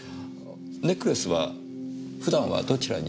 ネックレスは普段はどちらに？